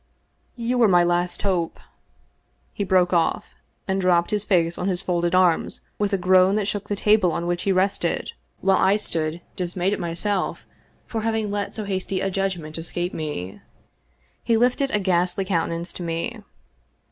" You were my last hope." He broke off, and dropped bis face on his folded arms with a groan that shook the table on which he rested, while I stood dismayed at myself for having let so hasty a judgment escape me. He lifted a ghastly countenance to me.